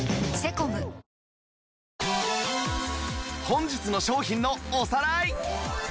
本日の商品のおさらい